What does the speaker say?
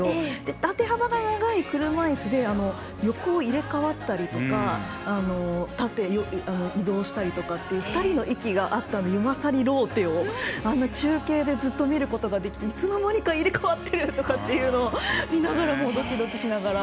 縦幅が長い車いすで横を入れ代わったりとか移動したりとかって２人の息が合ったユマサリローテを中継でずっと見ることができていつの間にか入れ代わってるっていうのを見ながら、ドキドキしながら。